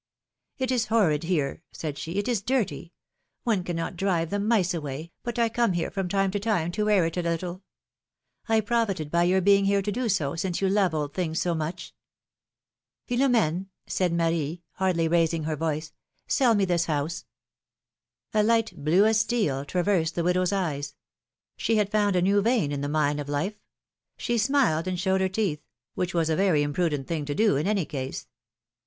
It is horrid here," said she, it is dirty ; one cannot drive the mice away, but I come here from time to time, to air it a little. I profited by your being here to do so, since you love old things so much." Philornene," said Marie, hardly raising her voice, ^^sell me this house." A light, blue as steel, traversed the widow's eyes; she had found a new vein in the mine of life ; she smiled and showed her teeth — which w^as a very imprudent thing to do, in any case.